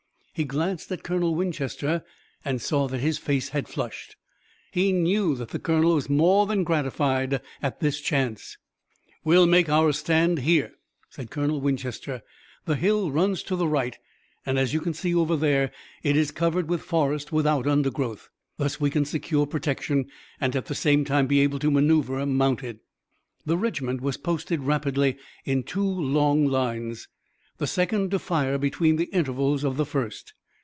He glanced at Colonel Winchester and saw that his face had flushed. He knew that the colonel was more than gratified at this chance. "We'll make our stand here," said Colonel Winchester. "The hill runs to the right, and, as you see over there, it is covered with forest without undergrowth. Thus we can secure protection, and at the same time be able to maneuver, mounted." The regiment was posted rapidly in two long lines, the second to fire between the intervals of the first.